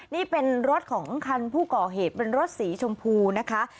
นี่เป็นรถของคันผู้ก่อเหตุเป็นรถสีชมพูนะคะ